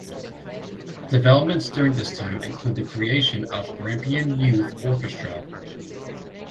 Developments during this time include the creation of Grampian Youth Orchestra.